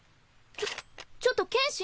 ちょちょっと剣心。